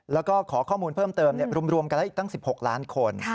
แล้วก็ขอข้อมูลเพิ่มเติมรวมกันแล้วอีกตั้ง๑๖ล้านคน